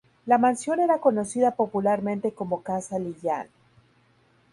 La mansión era conocida popularmente como Casa Lillian.